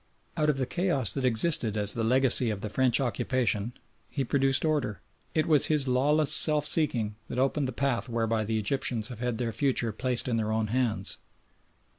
Out of the chaos that existed as the legacy of the French occupation he produced order. It was his lawless self seeking that opened the path whereby the Egyptians have had their future placed in their own hands.